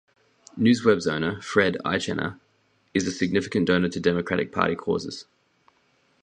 Newsweb's owner, Fred Eychaner, is a significant donor to Democratic Party causes.